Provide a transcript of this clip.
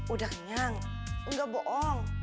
udah kenyang enggak bohong